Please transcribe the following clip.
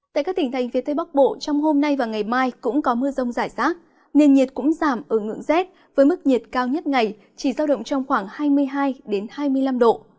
tại các tỉnh thành phía tây bắc bộ trong hôm nay và ngày mai cũng có mưa rông rải rác nền nhiệt cũng giảm ở ngưỡng rét với mức nhiệt cao nhất ngày chỉ giao động trong khoảng hai mươi hai hai mươi năm độ